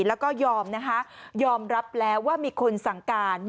แล้วก็ยอมนะคะยอมรับแล้วว่ามีคนสั่งการ